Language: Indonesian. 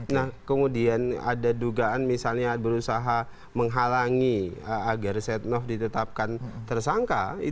nah kemudian ada dugaan misalnya berusaha menghalangi agar setnov ditetapkan tersangka